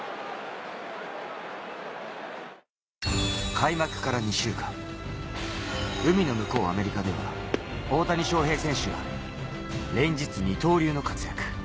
開幕から２週間、海の向こう、アメリカでは大谷翔平選手が連日、二刀流の活躍。